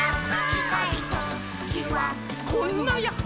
「ちかいときはこんなヤッホ」